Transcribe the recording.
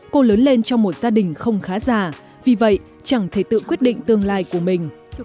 cô lớn lên trong một gia đình không khá già vì vậy chẳng thể tự quyết định tương lai của mình